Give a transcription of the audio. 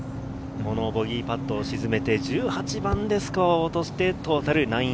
このボギーパットを沈めて１８番でスコアを落としてトータル−９。